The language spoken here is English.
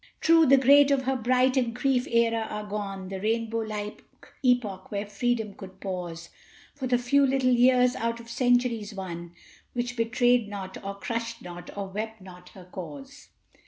True, the great of her bright and brief era are gone, The rainbow like epoch where Freedom could pause For the few little years, out of centuries won, Which betrayed not, or crushed not, or wept not her cause.